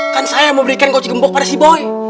kan saya yang mau berikan goji gembok pada si boy